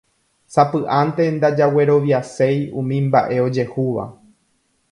Sapy'ánte ndajagueroviaséi umi mba'e ojehúva